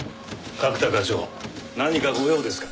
角田課長何か御用ですか？